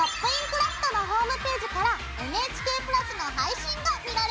クラフト」のホームページからＮＨＫプラスの配信が見られますよ。